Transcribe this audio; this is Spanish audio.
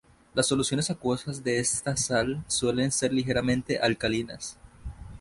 Las soluciones acuosas de esta sal suele ser ligeramente alcalinas.